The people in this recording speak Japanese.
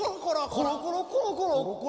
コロコロコロコロ。